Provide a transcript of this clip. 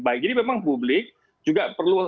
baik jadi memang publik juga perlu